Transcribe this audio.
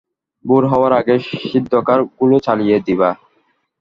ভোর হওয়ার আগে সিদ্ধকার গুলো চালিয়ে দিবা।